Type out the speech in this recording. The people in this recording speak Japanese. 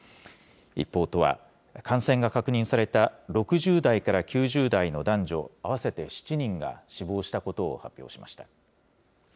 一方、都は感染が確認された６０代から９０代の男女合わせて７人が死亡したことを発表しました。